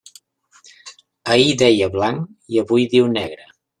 Ahir deia blanc i avui diu negre.